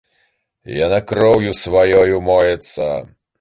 Яна кроўю сваёй умоецца.